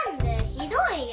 ひどいよ。